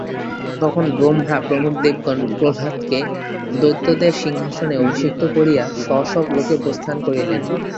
তখন ব্রহ্মাপ্রমুখ দেবগণ প্রহ্লাদকে দৈত্যদের সিংহাসনে অভিষিক্ত করিয়া স্ব-স্ব লোকে প্রস্থান করিলেন।